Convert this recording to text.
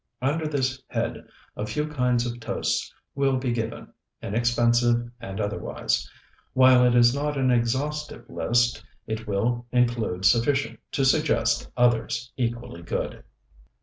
Under this head a few kinds of toasts will be given, inexpensive and otherwise. While it is not an exhaustive list, it will include sufficient to suggest others equally good.